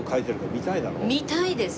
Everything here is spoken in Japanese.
見たいです。